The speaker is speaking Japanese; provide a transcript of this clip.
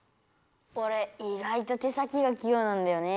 おれ意外と手先がき用なんだよね。